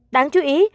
đáng chú ý